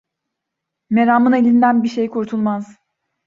Meramın elinden bir şey kurtulmaz.